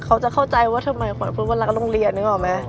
เขาจะเข้าใจว่าทำไมขวัญพูดว่ารักโรงเรียนนึกออกไหม